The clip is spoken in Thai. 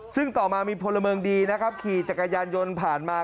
ซึ่งต่อมามีพลเมืองดีนะครับขี่จักรยานยนต์ผ่านมา